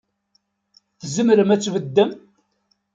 Tzemrem ad tbeddem?